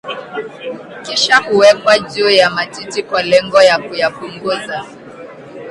kisha huwekwa juu ya matiti kwa lengo la kuyapunguza